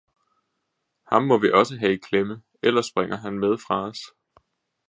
Ham må vi også have i klemme, ellers springer han med fra os.